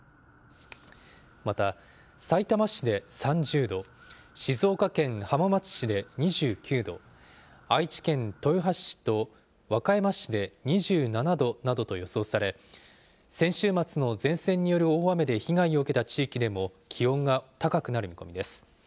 また、さいたま市で３０度、静岡県浜松市で２９度、愛知県豊橋市と和歌山市で２７度などと予想され、先週末の前線による大雨で被害を受けた地域でも気温が高くなる見込みです。